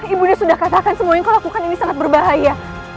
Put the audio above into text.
ibunya sudah katakan semua yang kau lakukan ini sangat berbahaya